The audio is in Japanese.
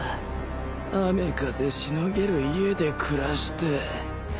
雨風しのげる家で暮らして。